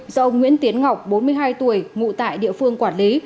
do ông nguyễn tiến ngọc bốn mươi hai tuổi ngụ tại địa phương quản lý